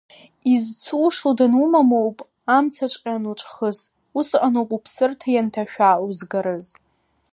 Изцушо данумамоуп, амцаҵәҟьа ануҿхыс, усҟаноуп уԥсырҭа ианҭашәа узгарыз.